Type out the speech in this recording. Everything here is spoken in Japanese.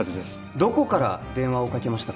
どこから電話をかけましたか？